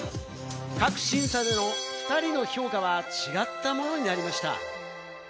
各審査での２人の評価は違ったものになりました。